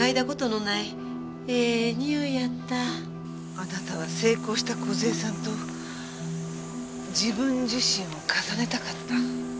あなたは成功した梢さんと自分自身を重ねたかった。